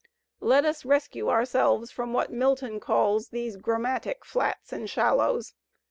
Let us rescue oiu'selves from what Milton calls ^ these grammatic flats and shallows.'